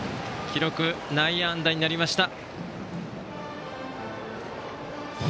記録は内野安打になりました。